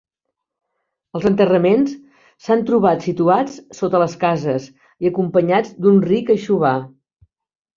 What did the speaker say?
Els enterraments s'han trobat situats sota les cases i acompanyats d'un ric aixovar.